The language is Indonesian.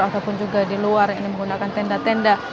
walaupun juga di luar yang menggunakan tenda tenda